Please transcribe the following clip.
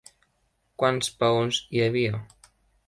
Quants peons hi havia?